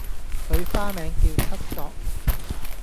佢花名叫七索